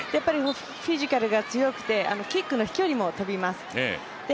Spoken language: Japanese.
フィジカルが強くて、キックの飛距離も飛びます。